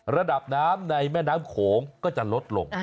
ระดับน้ำในแม่น้ำโขงก็จะลดลง